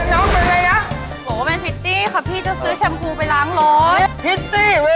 เห็นน้ำเป็นไงน่ะโหเป็นพิตตี้ค่ะ